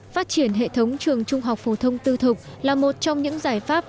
phát triển hệ thống trường trung học phổ thông tư thục là một trong những giải pháp